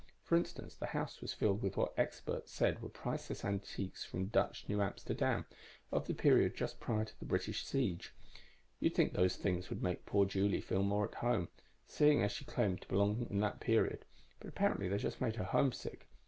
For instance, the house was filled with what the experts said were priceless antiques from Dutch New Amsterdam, of the period just prior to the British siege. You'd think those things would make poor Julie feel more at home, seeing as she claimed to belong in that period, but apparently they just made her homesick.